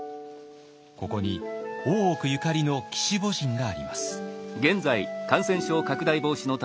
ここに大奥ゆかりの鬼子母神があります。